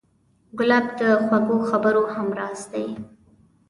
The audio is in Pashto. ګلاب د خوږو خبرو همراز دی.